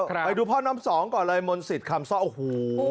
ไปดูพ่อน้ำสองก่อนเลยมนต์สิทธิ์คำซ่อโอ้โห